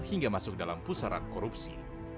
hingga masuk dalam pusaran korupsi